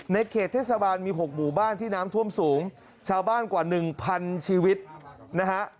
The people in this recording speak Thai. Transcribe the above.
เขตเทศบาลมี๖หมู่บ้านที่น้ำท่วมสูงชาวบ้านกว่าหนึ่งพันชีวิตนะฮะ